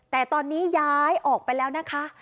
แต่ตอนนี้ย้ายออกไปแล้วนะคะ